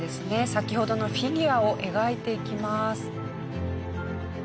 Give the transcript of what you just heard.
先ほどのフィギュアを描いていきます。